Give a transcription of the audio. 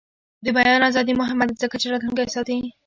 د بیان ازادي مهمه ده ځکه چې راتلونکی ساتي.